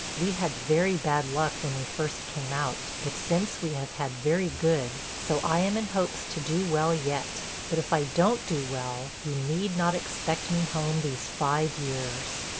We had very bad luck when we first came out, but since we have had very good; so I am in hopes to do well yet; but if I do n't do well, you need not expect me home these five years.